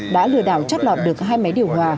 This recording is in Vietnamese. đã lừa đảo chót lọt được hai máy điều hòa